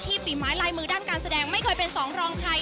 ฝีไม้ลายมือด้านการแสดงไม่เคยเป็นสองรองใคร